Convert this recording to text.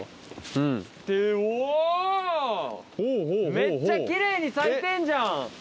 めっちゃ奇麗に咲いてんじゃん！